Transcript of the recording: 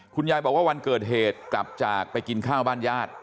คุณยายบอกว่าวันเกิดเหตุกลับจากไปกินข้าวบ้านญาติ